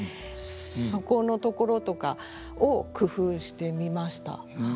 そこのところとかを工夫してみました。